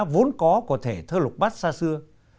vốn có có thể thơ lục bắt xa xưa